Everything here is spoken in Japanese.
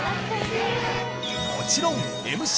もちろんＭＣ